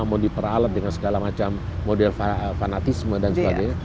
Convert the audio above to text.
mau diperalat dengan segala macam model fanatisme dan sebagainya